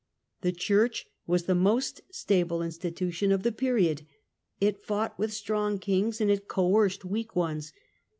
The church was ""^' the most stable institution of the period. It fought with strong kings and it coerced weak ones.